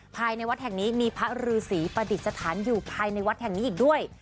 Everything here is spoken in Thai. ภายในวัดแห่งนี้มีพระรือศรีประดิษฐานอยู่ภายในวัดแห่งนี้อีกด้วย